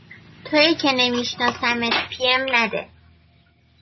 تویی که نمی شناسمت پی ام نده